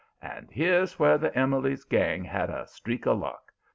"And here's where the Emily's gang had a streak of luck.